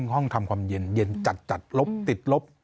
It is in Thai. ห้องทำความเย็นจัดลบติดลบ